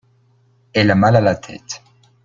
Elle a mal à la tête.